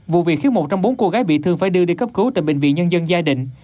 vụ việc khiến một trong bốn cô gái bị thương phải đưa đi cấp cứu tại bệnh viện nhân dân giai định